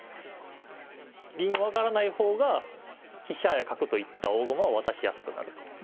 銀を上がらない方が飛車や角といった大駒を渡しやすくなる。